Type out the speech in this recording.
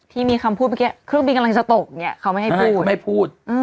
ที่มีคำพูดเมื่อกี้เครื่องบินกำลังจะตกเนี่ยเขาไม่ให้พูดไม่พูด